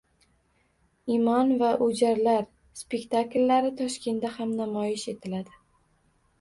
Imon va O‘jarlar spektakllari Toshkentda ham namoyish etiladi